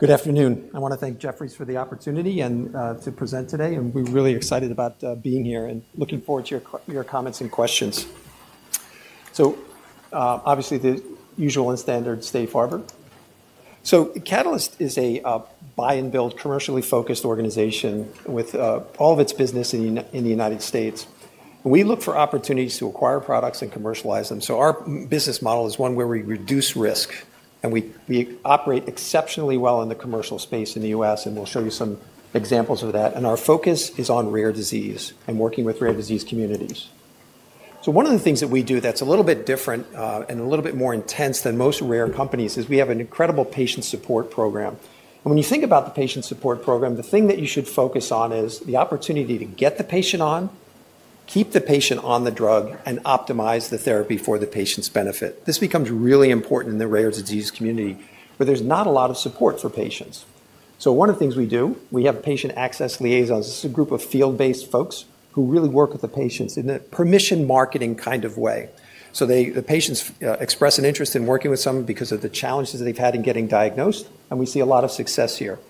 Good afternoon. I want to thank Jefferies for the opportunity and to present today. We are really excited about being here and looking forward to your comments and questions. Obviously, the usual and standard State Farmer. Catalyst is a buy-and-build, commercially focused organization with all of its business in the United States. We look for opportunities to acquire products and commercialize them. Our business model is one where we reduce risk, and we operate exceptionally well in the commercial space in the US, and we will show you some examples of that. Our focus is on rare disease and working with rare disease communities. One of the things that we do that is a little bit different and a little bit more intense than most rare companies is we have an incredible patient support program. When you think about the patient support program, the thing that you should focus on is the opportunity to get the patient on, keep the patient on the drug, and optimize the therapy for the patient's benefit. This becomes really important in the rare disease community where there's not a lot of support for patients. One of the things we do, we have patient access liaisons. This is a group of field-based folks who really work with the patients in a permission marketing kind of way. The patients express an interest in working with some because of the challenges they've had in getting diagnosed, and we see a lot of success here.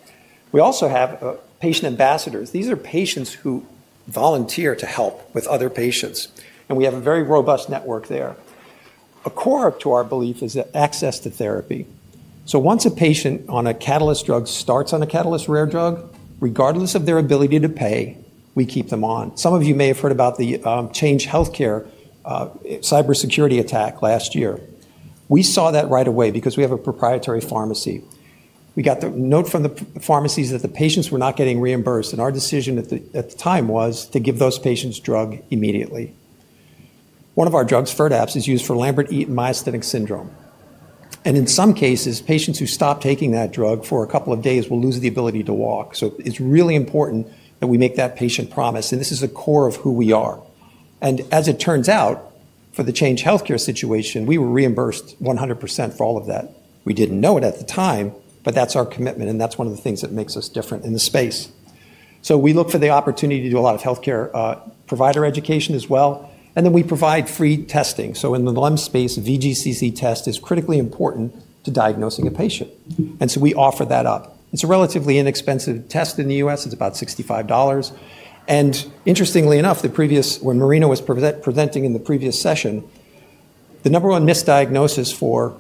We also have patient ambassadors. These are patients who volunteer to help with other patients, and we have a very robust network there. A core to our belief is access to therapy. Once a patient on a Catalyst drug starts on a Catalyst rare drug, regardless of their ability to pay, we keep them on. Some of you may have heard about the Change Healthcare cybersecurity attack last year. We saw that right away because we have a proprietary pharmacy. We got the note from the pharmacies that the patients were not getting reimbursed, and our decision at the time was to give those patients drug immediately. One of our drugs, Firdapse, is used for Lambert-Eaton myasthenic syndrome. In some cases, patients who stop taking that drug for a couple of days will lose the ability to walk. It is really important that we make that patient promise, and this is the core of who we are. As it turns out, for the Change Healthcare situation, we were reimbursed 100% for all of that. We didn't know it at the time, but that's our commitment, and that's one of the things that makes us different in the space. We look for the opportunity to do a lot of healthcare provider education as well, and then we provide free testing. In the LEMS space, VGCC test is critically important to diagnosing a patient, and we offer that up. It's a relatively inexpensive test in the US. It's about $65. Interestingly enough, when Marino was presenting in the previous session, the number one misdiagnosis for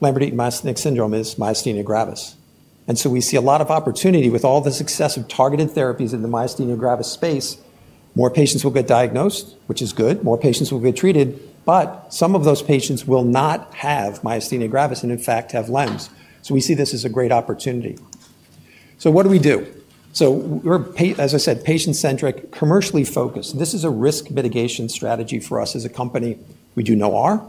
Lambert-Eaton myasthenic syndrome is myasthenia gravis. We see a lot of opportunity with all the success of targeted therapies in the myasthenia gravis space. More patients will get diagnosed, which is good. More patients will get treated, but some of those patients will not have myasthenia gravis and, in fact, have LEMS. We see this as a great opportunity. What do we do? As I said, we are patient-centric, commercially focused. This is a risk mitigation strategy for us as a company. We do no R.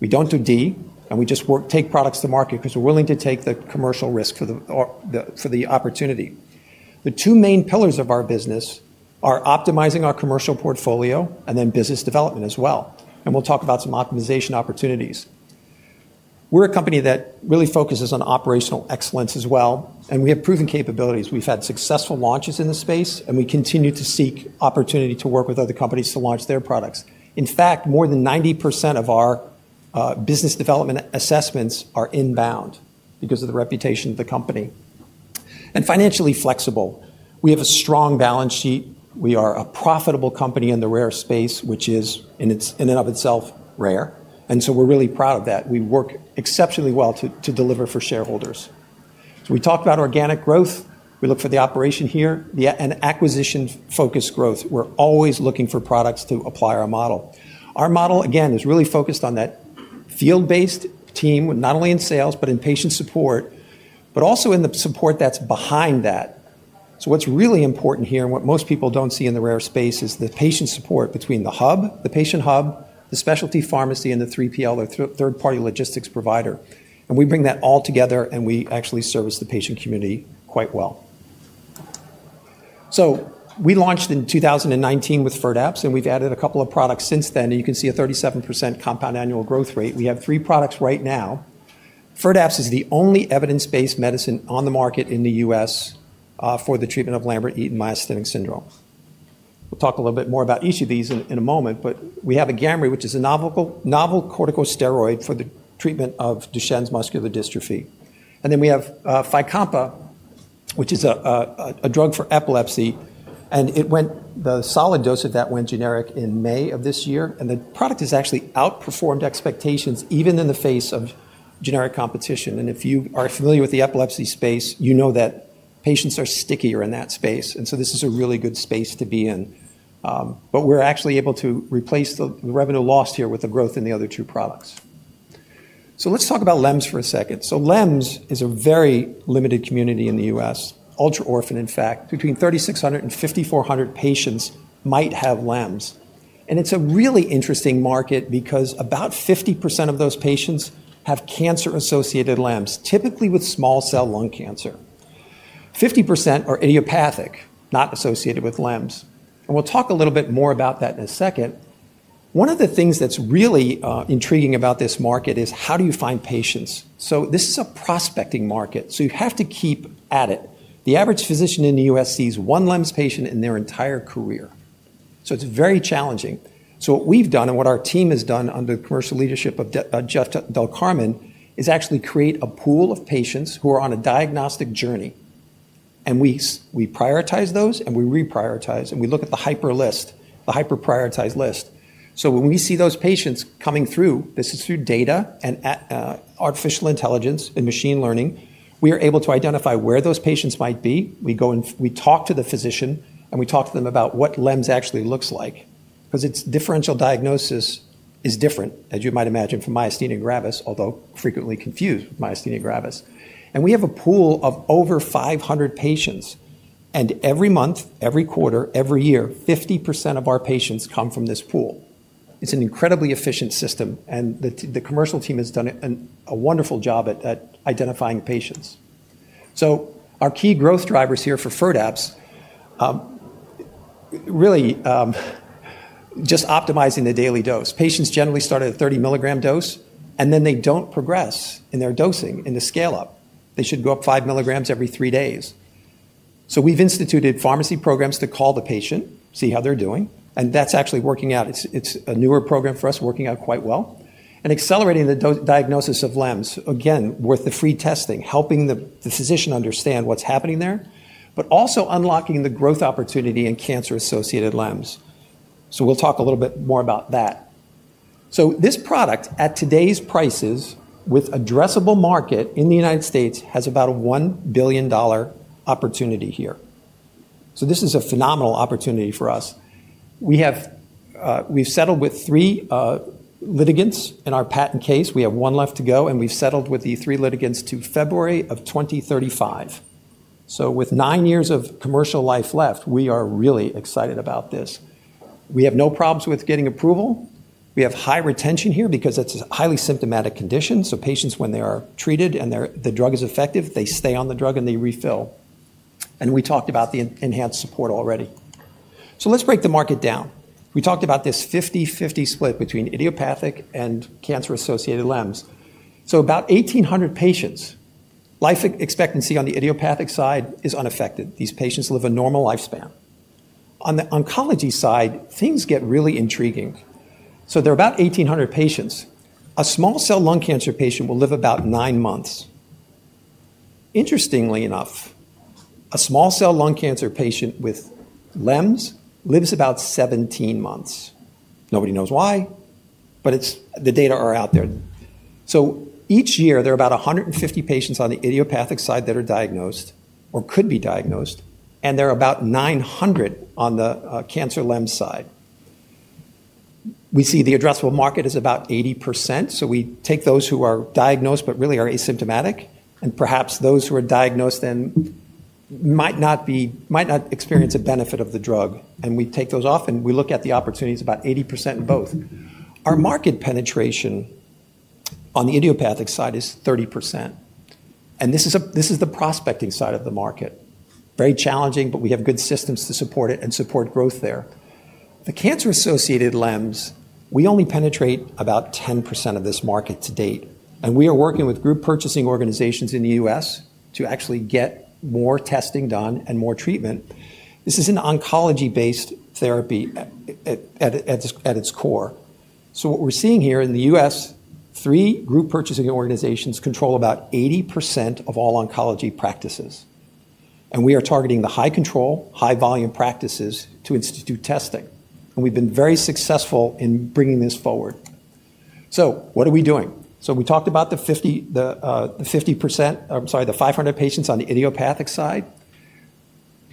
We do not do D, and we just take products to market because we are willing to take the commercial risk for the opportunity. The two main pillars of our business are optimizing our commercial portfolio and then business development as well. We will talk about some optimization opportunities. We are a company that really focuses on operational excellence as well, and we have proven capabilities. We have had successful launches in the space, and we continue to seek opportunity to work with other companies to launch their products. In fact, more than 90% of our business development assessments are inbound because of the reputation of the company. We are financially flexible. We have a strong balance sheet. We are a profitable company in the rare space, which is, in and of itself, rare, and so we're really proud of that. We work exceptionally well to deliver for shareholders. We talked about organic growth. We look for the operation here and acquisition-focused growth. We're always looking for products to apply our model. Our model, again, is really focused on that field-based team, not only in sales but in patient support, but also in the support that's behind that. What's really important here and what most people do not see in the rare space is the patient support between the hub, the patient hub, the specialty pharmacy, and the 3PL, the third-party logistics provider. We bring that all together, and we actually service the patient community quite well. We launched in 2019 with Firdapse, and we've added a couple of products since then, and you can see a 37% compound annual growth rate. We have three products right now. Firdapse is the only evidence-based medicine on the market in the US for the treatment of Lambert-Eaton myasthenic syndrome. We'll talk a little bit more about each of these in a moment, but we have Agamree, which is a novel corticosteroid for the treatment of Duchenne muscular dystrophy. And then we have Fycompa, which is a drug for epilepsy, and the solid dose of that went generic in May of this year, and the product has actually outperformed expectations even in the face of generic competition. If you are familiar with the epilepsy space, you know that patients are stickier in that space, and so this is a really good space to be in. We're actually able to replace the revenue lost here with the growth in the other two products. Let's talk about LEMS for a second. LEMS is a very limited community in the US, ultra-orphan, in fact. Between 3,600-5,400 patients might have LEMS, and it's a really interesting market because about 50% of those patients have cancer-associated LEMS, typically with small-cell lung cancer. 50% are idiopathic, not associated with LEMS, and we'll talk a little bit more about that in a second. One of the things that's really intriguing about this market is how do you find patients? This is a prospecting market, so you have to keep at it. The average physician in the US sees one LEMS patient in their entire career, so it's very challenging. What we've done and what our team has done under the commercial leadership of Jeff Del Carmen is actually create a pool of patients who are on a diagnostic journey, and we prioritize those, and we reprioritize, and we look at the hyper-list, the hyper-prioritized list. When we see those patients coming through, this is through data and artificial intelligence and machine learning, we are able to identify where those patients might be. We talk to the physician, and we talk to them about what LEMS actually looks like because its differential diagnosis is different, as you might imagine, from myasthenia gravis, although frequently confused with myasthenia gravis. We have a pool of over 500 patients, and every month, every quarter, every year, 50% of our patients come from this pool. It's an incredibly efficient system, and the commercial team has done a wonderful job at identifying patients. Our key growth drivers here for Firdapse are really just optimizing the daily dose. Patients generally start at a 30 mg dose, and then they don't progress in their dosing in the scale-up. They should go up 5 mg every three days. We've instituted pharmacy programs to call the patient, see how they're doing, and that's actually working out. It's a newer program for us, working out quite well, and accelerating the diagnosis of LEMS, again, with the free testing, helping the physician understand what's happening there, but also unlocking the growth opportunity in cancer-associated LEMS. We'll talk a little bit more about that. This product, at today's prices with addressable market in the United States, has about a $1 billion opportunity here. This is a phenomenal opportunity for us. We've settled with three litigants in our patent case. We have one left to go, and we've settled with the three litigants to February of 2035. With nine years of commercial life left, we are really excited about this. We have no problems with getting approval. We have high retention here because it's a highly symptomatic condition, so patients, when they are treated and the drug is effective, they stay on the drug and they refill. We talked about the enhanced support already. Let's break the market down. We talked about this 50/50 split between idiopathic and cancer-associated LEMS. About 1,800 patients. Life expectancy on the idiopathic side is unaffected. These patients live a normal lifespan. On the oncology side, things get really intriguing. There are about 1,800 patients. A small-cell lung cancer patient will live about nine months. Interestingly enough, a small-cell lung cancer patient with LEMS lives about 17 months. Nobody knows why, but the data are out there. Each year, there are about 150 patients on the idiopathic side that are diagnosed or could be diagnosed, and there are about 900 on the cancer LEMS side. We see the addressable market is about 80%, so we take those who are diagnosed but really are asymptomatic and perhaps those who are diagnosed and might not experience a benefit of the drug, and we take those off, and we look at the opportunities, about 80% in both. Our market penetration on the idiopathic side is 30%, and this is the prospecting side of the market. Very challenging, but we have good systems to support it and support growth there. The cancer-associated LEMS, we only penetrate about 10% of this market to date, and we are working with group purchasing organizations in the US to actually get more testing done and more treatment. This is an oncology-based therapy at its core. What we're seeing here in the US, three group purchasing organizations control about 80% of all oncology practices, and we are targeting the high-control, high-volume practices to institute testing, and we've been very successful in bringing this forward. What are we doing? We talked about the 50%, I'm sorry, the 500 patients on the idiopathic side.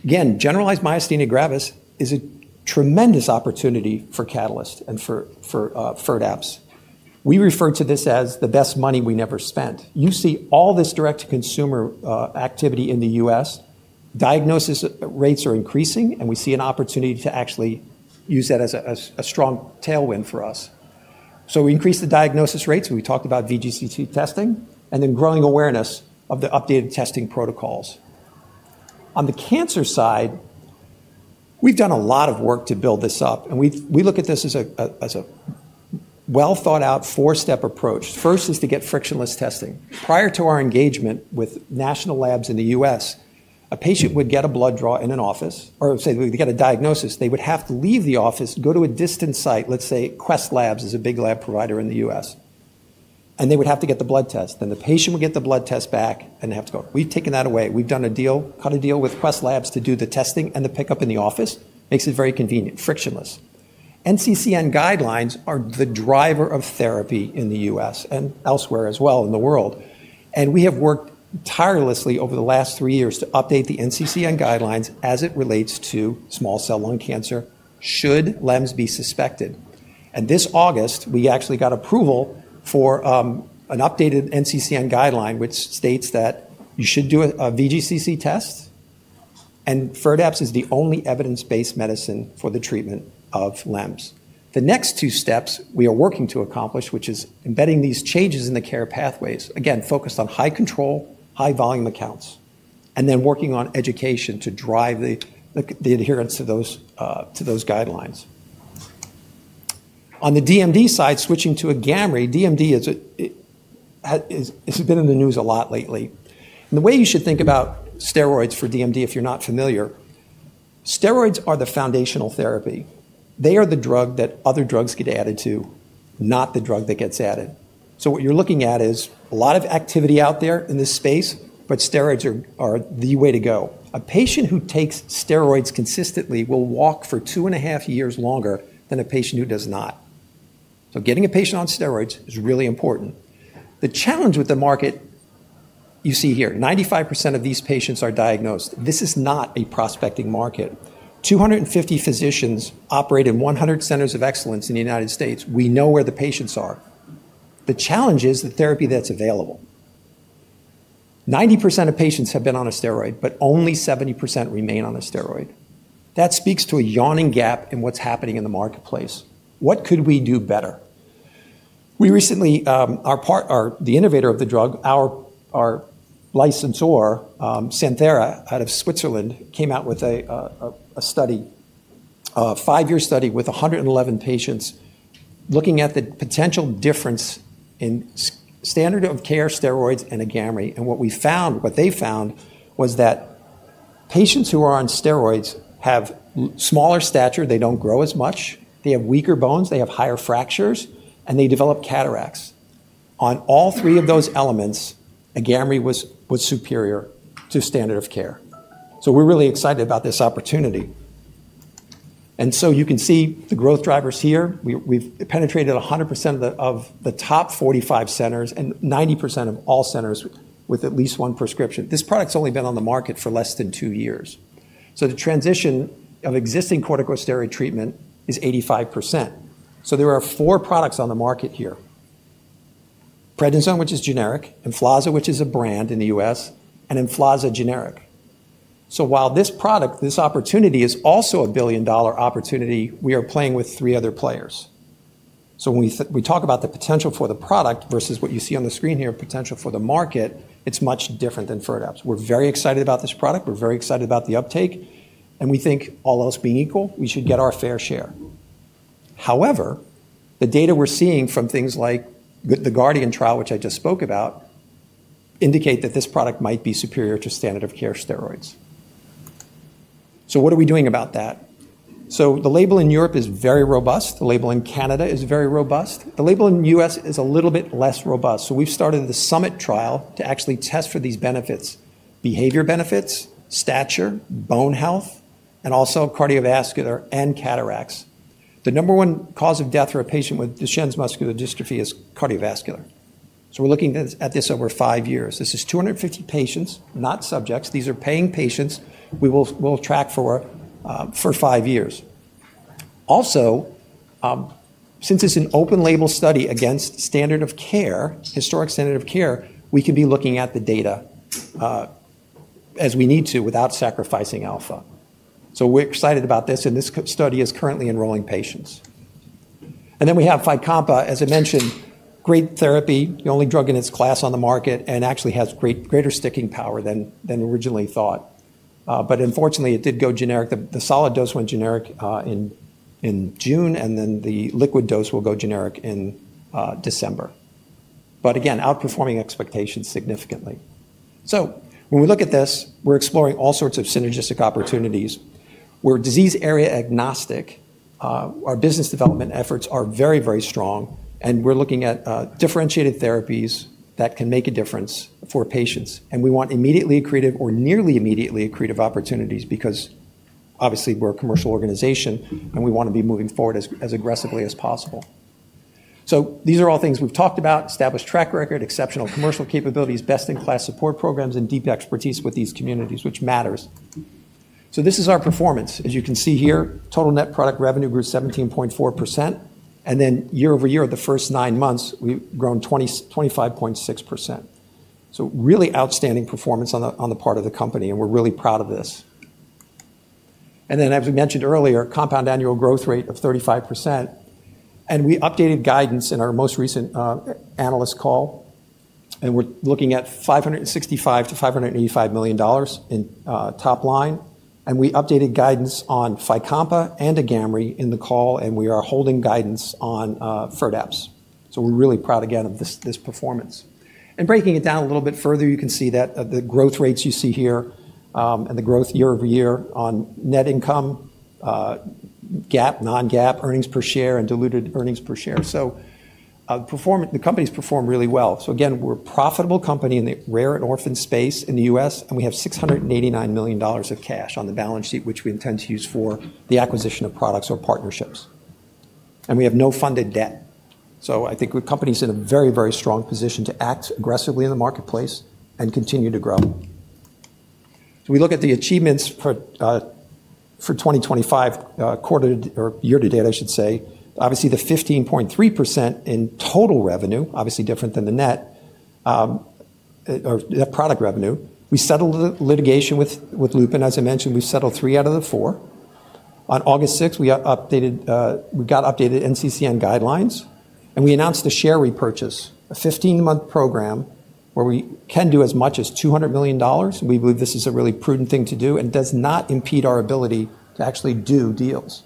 Again, generalized myasthenia gravis is a tremendous opportunity for Catalyst and for Firdapse. We refer to this as the best money we never spent. You see all this direct-to-consumer activity in the US. Diagnosis rates are increasing, and we see an opportunity to actually use that as a strong tailwind for us. We increased the diagnosis rates, and we talked about VGCC testing, and then growing awareness of the updated testing protocols. On the cancer side, we've done a lot of work to build this up, and we look at this as a well-thought-out four-step approach. First is to get frictionless testing. Prior to our engagement with national labs in the US, a patient would get a blood draw in an office, or say they would get a diagnosis. They would have to leave the office, go to a distant site, let's say Quest Diagnostics is a big lab provider in the US, and they would have to get the blood test. The patient would get the blood test back and have to go. We've taken that away. We've done a deal, cut a deal with Quest Diagnostics to do the testing and the pickup in the office. Makes it very convenient, frictionless. NCCN guidelines are the driver of therapy in the US and elsewhere as well in the world, and we have worked tirelessly over the last three years to update the NCCN guidelines as it relates to small-cell lung cancer should LEMS be suspected. This August, we actually got approval for an updated NCCN guideline, which states that you should do a VGCC test, and Firdapse is the only evidence-based medicine for the treatment of LEMS. The next two steps we are working to accomplish, which is embedding these changes in the care pathways, again, focused on high-control, high-volume accounts, and then working on education to drive the adherence to those guidelines. On the DMD side, switching to Agamree, DMD has been in the news a lot lately. The way you should think about steroids for DMD, if you're not familiar, steroids are the foundational therapy. They are the drug that other drugs get added to, not the drug that gets added. What you're looking at is a lot of activity out there in this space, but steroids are the way to go. A patient who takes steroids consistently will walk for two and a half years longer than a patient who does not. Getting a patient on steroids is really important. The challenge with the market you see here, 95% of these patients are diagnosed. This is not a prospecting market. 250 physicians operate in 100 centers of excellence in the United States. We know where the patients are. The challenge is the therapy that's available. 90% of patients have been on a steroid, but only 70% remain on a steroid. That speaks to a yawning gap in what's happening in the marketplace. What could we do better? We recently, the innovator of the drug, our licensor, Santhera out of Switzerland, came out with a study, a five-year study with 111 patients looking at the potential difference in standard-of-care steroids and Agamree, and what they found was that patients who are on steroids have smaller stature. They don't grow as much. They have weaker bones. They have higher fractures, and they develop cataracts. On all three of those elements, Agamree was superior to standard-of-care. We're really excited about this opportunity. You can see the growth drivers here. We've penetrated 100% of the top 45 centers and 90% of all centers with at least one prescription. This product's only been on the market for less than two years. So the transition of existing corticosteroid treatment is 85%. So there are four products on the market here: Prednisone, which is generic, Emflaza, which is a brand in the US, and Emflaza generic. So while this product, this opportunity is also a billion-dollar opportunity, we are playing with three other players. So when we talk about the potential for the product versus what you see on the screen here, potential for the market, it's much different than Firdapse. We're very excited about this product. We're very excited about the uptake, and we think all else being equal, we should get our fair share. However, the data we're seeing from things like the Guardian Trial, which I just spoke about, indicate that this product might be superior to standard-of-care steroids. So what are we doing about that? The label in Europe is very robust. The label in Canada is very robust. The label in the US is a little bit less robust. We have started the summit trial to actually test for these benefits: behavior benefits, stature, bone health, and also cardiovascular and cataracts. The number one cause of death for a patient with Duchenne muscular dystrophy is cardiovascular. We are looking at this over five years. This is 250 patients, not subjects. These are paying patients we will track for five years. Also, since it is an open-label study against standard-of-care, historic standard-of-care, we can be looking at the data as we need to without sacrificing alpha. We are excited about this, and this study is currently enrolling patients. We have Fycompa, as I mentioned, great therapy, the only drug in its class on the market, and actually has greater sticking power than originally thought. Unfortunately, it did go generic. The solid dose went generic in June, and then the liquid dose will go generic in December. Again, outperforming expectations significantly. When we look at this, we're exploring all sorts of synergistic opportunities. We're disease area agnostic. Our business development efforts are very, very strong, and we're looking at differentiated therapies that can make a difference for patients. We want immediately accretive or nearly immediately accretive opportunities because, obviously, we're a commercial organization, and we want to be moving forward as aggressively as possible. These are all things we've talked about: established track record, exceptional commercial capabilities, best-in-class support programs, and deep expertise with these communities, which matters. This is our performance. As you can see here, total net product revenue grew 17.4%, and year-over-year, the first nine months, we've grown 25.6%. Really outstanding performance on the part of the company, and we're really proud of this. As we mentioned earlier, compound annual growth rate of 35%. We updated guidance in our most recent analyst call, and we're looking at $565–585 million in top line. We updated guidance on Fycompa and Agamree in the call, and we are holding guidance on Firdapse. We're really proud, again, of this performance. Breaking it down a little bit further, you can see that the growth rates you see here and the growth year over year on net income, GAAP, non-GAAP earnings per share, and diluted earnings per share. The company has performed really well. Again, we're a profitable company in the rare and orphan space in the US, and we have $689.0 million of cash on the balance sheet, which we intend to use for the acquisition of products or partnerships. We have no funded debt. I think the company's in a very, very strong position to act aggressively in the marketplace and continue to grow. We look at the achievements for 2025, quarter two or year to date, I should say. Obviously, the 15.3% in total revenue, obviously different than the net or the product revenue. We settled the litigation with Lupin. As I mentioned, we settled three out of the four. On August 6, we got updated NCCN guidelines, and we announced the share repurchase, a 15-month program where we can do as much as $200 million. We believe this is a really prudent thing to do and does not impede our ability to actually do deals.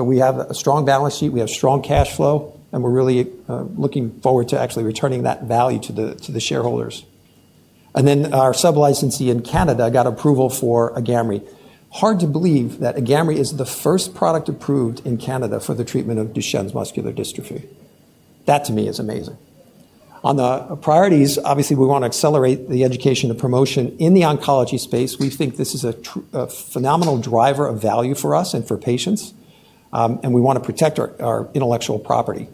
We have a strong balance sheet. We have strong cash flow, and we are really looking forward to actually returning that value to the shareholders. Our sub-licensee in Canada got approval for Agamree. Hard to believe that Agamree is the first product approved in Canada for the treatment of Duchenne muscular dystrophy. That, to me, is amazing. On the priorities, obviously, we want to accelerate the education and promotion in the oncology space. We think this is a phenomenal driver of value for us and for patients, and we want to protect our intellectual property,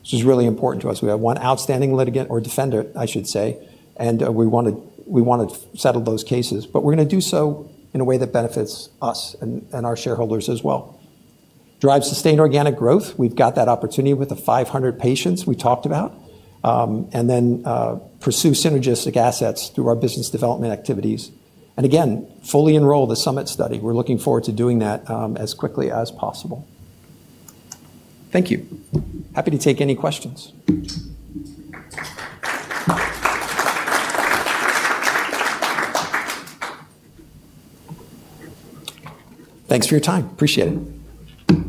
which is really important to us. We have one outstanding litigant or defendant, I should say, and we want to settle those cases, but we're going to do so in a way that benefits us and our shareholders as well. Drive sustained organic growth. We've got that opportunity with the 500 patients we talked about, and then pursue synergistic assets through our business development activities. Again, fully enroll the summit study. We're looking forward to doing that as quickly as possible. Thank you. Happy to take any questions. Thanks for your time. Appreciate it.